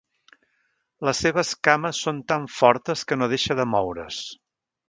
Les seves cames són tan fortes que no deixa de moure's.